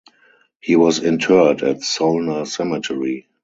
He was interred at Solna Cemetery.